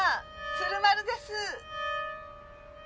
鶴丸です。